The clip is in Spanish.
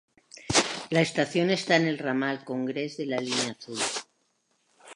La estación está en el Ramal Congress de la línea Azul.